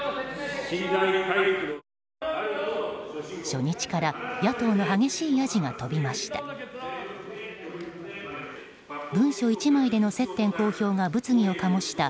初日から野党の激しいやじが飛びました。